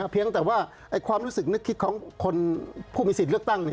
เพียงแต่ว่าความรู้สึกนึกคิดของคนผู้มีสิทธิ์เลือกตั้ง